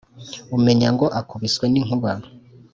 Umenya ngo akubiswe n’inkuba.